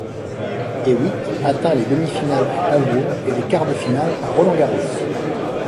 Hewitt atteint les demi-finales à Hambourg et les quarts de finale à Roland-Garros.